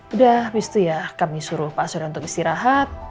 udah habis itu ya kami suruh pak surya untuk istirahat